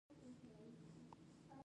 د نجونو تعلیم د سولې او ثبات لامل کیږي.